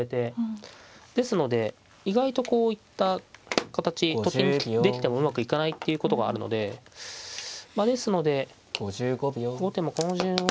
ですので意外とこういった形と金できてもうまくいかないっていうことがあるのでまあですので後手もこの順を。